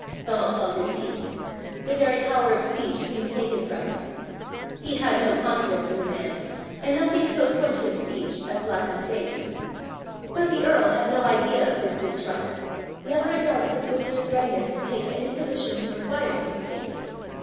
Donal held his peace; the very power of speech seemed taken from him: he had no confidence in the man, and nothing so quenches speech as lack of faith. But the earl had no idea of this distrust, never a doubt of his listener's readiness to take any position he required him to take.